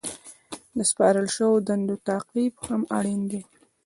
د سپارل شوو دندو تعقیب هم اړین دی.